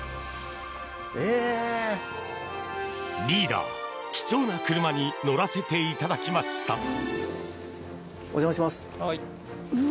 リーダー、貴重な車に乗らせていただきました。